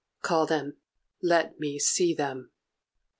"Call them; let me see them."